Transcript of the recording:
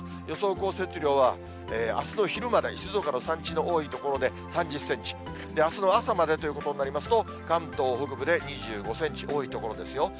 予想降雪量は、あすの昼まで静岡の山地の多い所で３０センチ、あすの朝までということになりますと、関東北部で２５センチ、多い所ですよ。